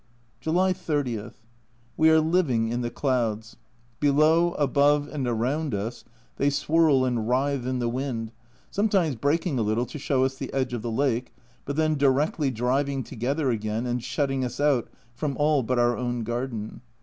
July 30. We are living in the clouds ; below, above, and around us they swirl and writhe in the wind, sometimes breaking a little to show us the edge of the lake, but then directly driving together again and shutting us out from all but our own garden.